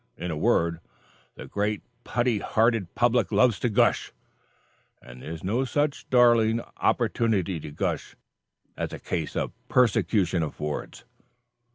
In a word, the great putty hearted public loves to 'gush,' and there is no such darling opportunity to gush as a case of persecution affords."